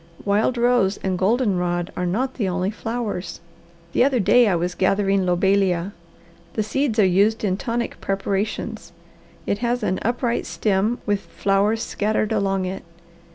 Wild rose and golden rod are not the only flowers. The other day I was gathering lobelia. The seeds are used in tonic preparations. It has an upright stem with flowers scattered along it.